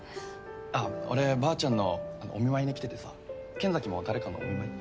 あっ俺ばあちゃんのあのお見舞いに来ててさ剣崎も誰かのお見舞い？